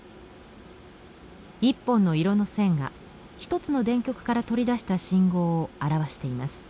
１本の色の線が１つの電極から取り出した信号を表しています。